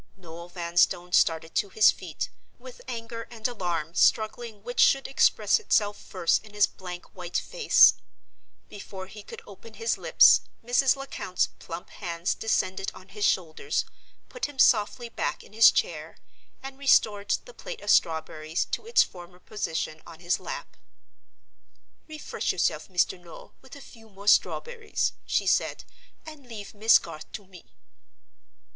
Noel Vanstone started to his feet, with anger and alarm struggling which should express itself first in his blank white face. Before he could open his lips, Mrs. Lecount's plump hands descended on his shoulders, put him softly back in his chair, and restored the plate of strawberries to its former position on his lap. "Refresh yourself, Mr. Noel, with a few more strawberries," she said, "and leave Miss Garth to me."